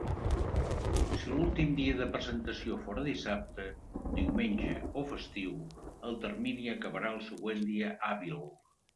Si l'últim dia de presentació fóra dissabte, diumenge o festiu, el termini acabarà el següent dia hàbil.